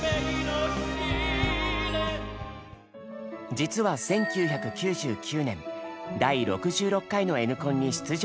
実は１９９９年第６６回の「Ｎコン」に出場した経験が。